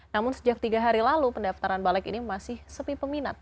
namun sejak tiga hari lalu pendaftaran balik ini masih sepi peminat